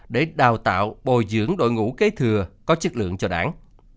để đào tạo bồi dưỡng đội ngũ kế thừa có chất lượng cho đảng